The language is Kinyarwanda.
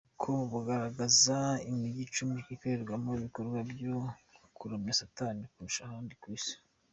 com bugaragaza imijyi icumi ikorerwamo ibikorwa byo kuramya Satani kurusha ahndi ku isi.